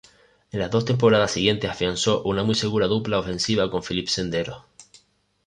En las dos temporadas siguientes, afianzó una muy segura dupla defensiva con Philippe Senderos.